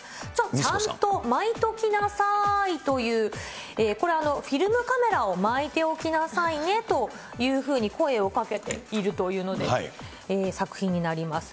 ちゃんと巻いときなさーいという、これ、フィルムカメラを巻いておきなさいねというふうに声をかけているというので、作品になります。